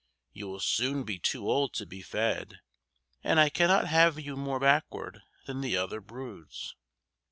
You will soon be too old to be fed, and I cannot have you more backward than the other broods."